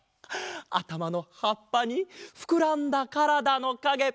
あたまのはっぱにふくらんだからだのかげ。